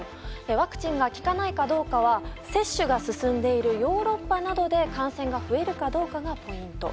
ワクチンが効かないかどうかは接種が進んでいるヨーロッパなどで感染が増えるかどうかがポイント。